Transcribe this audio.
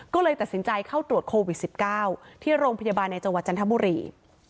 ก็เลยตัดสินใจเข้าตรวจโควิด๑๙ที่โรงพยาบาลในจังหวัดจันทบุรี